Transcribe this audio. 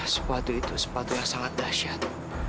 sepatu itu sepatu yang sangat dahsyat